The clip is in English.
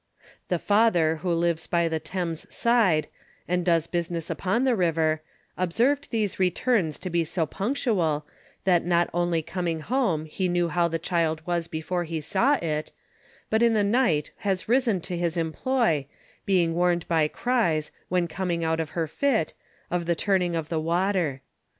The Father who lives by the Thames side, and does business upon the River, observed these Returns to be so punctual, that not only coming home He knew how the Child was before he saw it, but in the night has risen to his Employ, being warned by Cries when coming out of her Fit, of the turning of the Water.